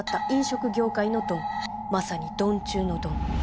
まさにドン中のドン。